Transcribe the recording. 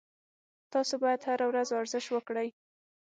تاسو باید هر ورځ ورزش وکړئ